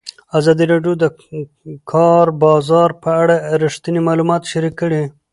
ازادي راډیو د د کار بازار په اړه رښتیني معلومات شریک کړي.